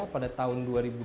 pada tahun dua ribu dua puluh